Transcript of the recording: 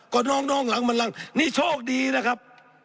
ก็น้องหลังมันหลังนี่โชคดีนะครับ